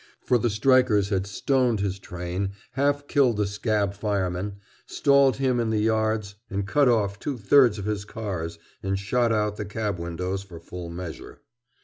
For the strikers had stoned his train, half killed the "scab" fireman, stalled him in the yards and cut off two thirds of his cars and shot out the cab windows for full measure.